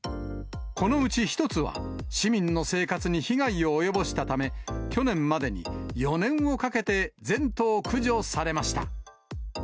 このうち１つは、市民の生活に被害を及ぼしたため、去年までに４年をかけて全頭駆除されました。